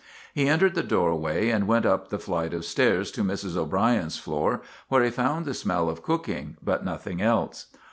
He entered the doorway and went up the flight of stairs to Mrs. O'Brien's floor, where he found the smell of cooking but noth ing else.